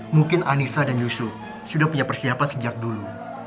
mungkin anissa dan yusuf sudah punya persiapan sejak dulu